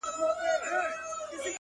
د تورو شپو په توره دربه کي به ځان وسوځم!